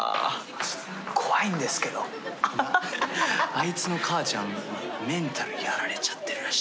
あいつの母ちゃんメンタルやられちゃってるらしいぜ。